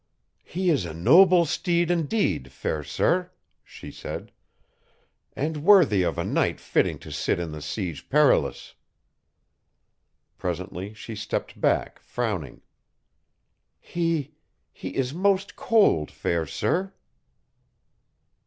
"He is a noble steed indeed, fair sir," she said; "and worthy of a knight fitting to sit in the Siege Perilous." Presently she stepped back, frowning. "He ... he is most cold, fair sir."